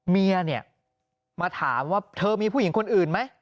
เมียเนี่ยมาถามว่าเธอมีผู้หญิงคนอื่นไหม